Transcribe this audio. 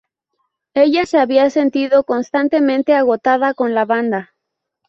Ella se había sentido constantemente agotada con la banda.